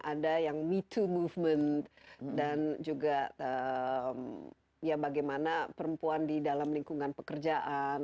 ada yang metoo movement dan juga bagaimana perempuan di dalam lingkungan pekerjaan